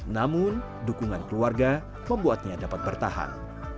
namun dukungan keluarga membuatnya dapat bertahan